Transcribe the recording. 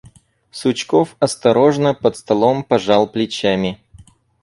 Сучков, острожно, под столом, пожал плечами.